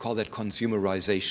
kami menyebutnya konsumerisasi